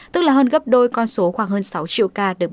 tức là hơn gấp đôi con số khoảng hơn sáu triệu